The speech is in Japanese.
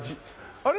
あれ？